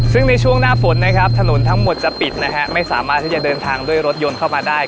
ซึ่งในช่วงหน้าฝนนะครับถนนทั้งหมดจะปิดนะฮะไม่สามารถที่จะเดินทางด้วยรถยนต์เข้ามาได้